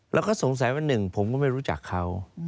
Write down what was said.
แล้วก็สงสัยว่าหนึ่งผมก็ไม่รู้จักเขา